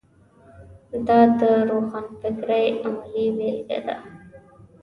دا د روښانفکرۍ عملي بېلګه ده.